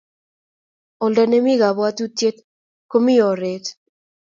oldo ne mi kabwotutie ko mito oret